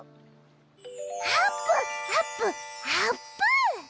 あーぷんあぷんあーぷん！